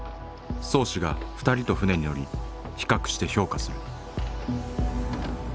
漕手が２人と船に乗り比較して評価する。